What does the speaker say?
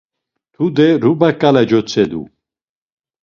Tude, ruba ǩale cotzedu.